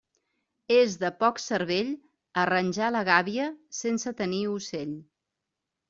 És de poc cervell arranjar la gàbia sense tenir ocell.